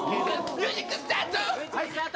ミュージック、スタート。